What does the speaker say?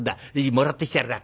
もらってきてやらあ」。